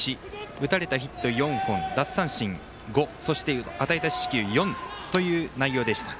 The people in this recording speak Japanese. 打たれたヒット４本、奪三振５与えた四死球４という内容でした。